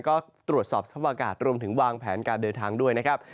ก็ตรวจสอบสภาพอากาศรวมถึงวางแผนการเดินทางด้วยนะครับ